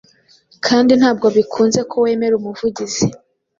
kandi ntabwo bikunze ko wemera umuvugizi